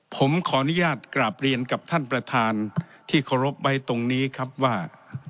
ผมขออนุญาตกราบเรียนกับท่านประธานที่เคารพไว้ตรงนี้ครับว่า